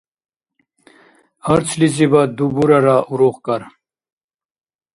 Арцлизибад дубурара урухкӀар.